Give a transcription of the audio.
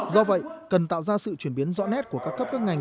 do vậy cần tạo ra sự chuyển biến rõ nét của các cấp các ngành